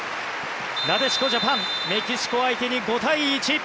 なでしこジャパンメキシコ相手に５対１。